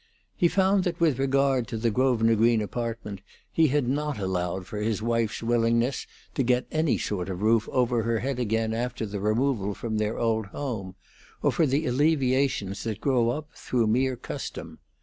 He found that with regard to the Grosvenor Green apartment he had not allowed for his wife's willingness to get any sort of roof over her head again after the removal from their old home, or for the alleviations that grow up through mere custom.